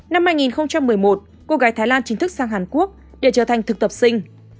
năm hai nghìn một mươi một cô gái thái lan chính thức sang hàn quốc để trở thành thực tập sinh